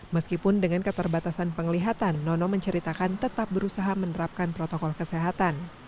meskipun dengan keterbatasan penglihatan nono menceritakan tetap berusaha menerapkan protokol kesehatan